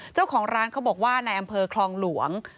เจ้าของร้านเขาบอกว่าในอำเภอคลองหลวง